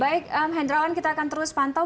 baik hendrawan kita akan terus pantau